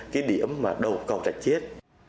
cái điểm mà đầu cầu đạch chiếc